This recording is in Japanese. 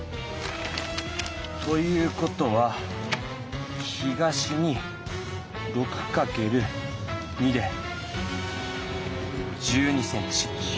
という事は東に６かける２で１２ｃｍ。